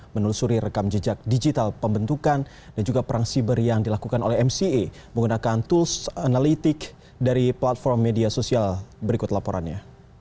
menelusuri rekam jejak digital pembentukan dan juga perang siber yang dilakukan oleh mca menggunakan tools analytic dari platform media sosial berikut laporannya